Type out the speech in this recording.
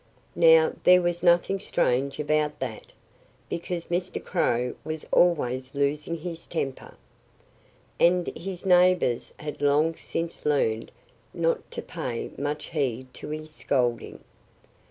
Now, there was nothing strange about that, because Mr. Crow was always losing his temper. And his neighbors had long since learned not to pay much heed to his scolding.